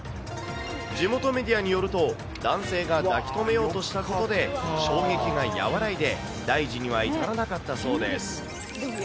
地元メディアによると、男性が抱きとめようとしたことで衝撃が和らいで、大事には至らなかったそうです。